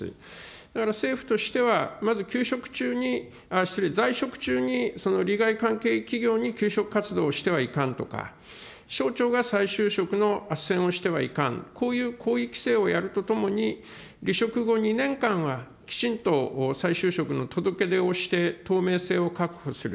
だから政府としてはまず休職中に、失礼、在職中にその利害関係企業に求職活動をしてはいかんとか、省庁が再就職のあっせんをしてはいかん、こういう行為規制をやるとともに、離職後２年間はきちんと再就職の届け出をして、透明性を確保する。